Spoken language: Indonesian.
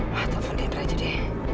ma telfon diantra jadi